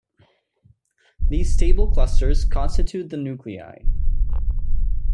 These stable clusters constitute the nuclei.